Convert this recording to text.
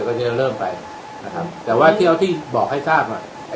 ก็จะเริ่มไปนะครับแต่ว่าเที่ยวที่บอกให้ทราบอ่ะ